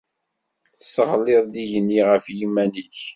Tesseɣliḍ-d igenni ɣef yiman-ik.